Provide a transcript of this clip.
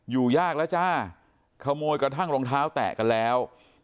ยากแล้วจ้าขโมยกระทั่งรองเท้าแตะกันแล้ว